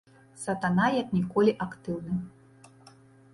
Сатана як ніколі актыўны.